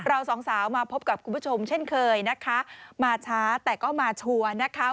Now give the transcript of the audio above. สองสาวมาพบกับคุณผู้ชมเช่นเคยนะคะมาช้าแต่ก็มาชัวร์นะคะ